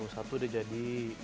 satu udah jadi